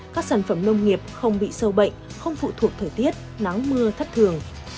các sản phẩm nông nghiệp không bị sâu bệnh không phụ thuộc thời tiết nắng mưa thất thường